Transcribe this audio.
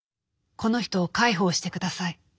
「『この人を介抱してください。